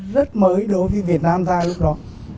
rất mới đối với việt nam ta lúc đó